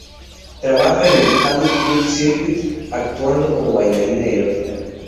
Trabaja en el "adult club circuit", actuando como una bailarina erótica.